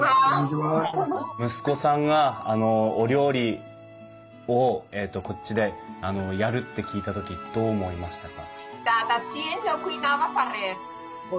息子さんがあのお料理をこっちでやるって聞いた時どう思いましたか？